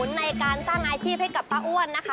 ในการสร้างอาชีพให้กับป้าอ้วนนะคะ